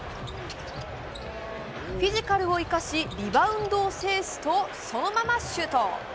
フィジカルを生かし、リバウンドを制すと、そのままシュート。